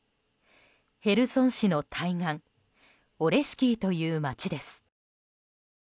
ヘルソン市の対岸オレシキーという街です。